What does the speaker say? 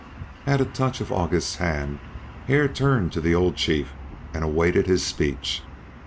At a touch of August's hand Hare turned to the old chief; and awaited his speech.